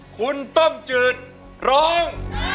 คุณต้มจืดร้อง